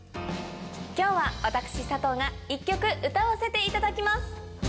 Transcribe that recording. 今日は私佐藤が１曲歌わせていただきます。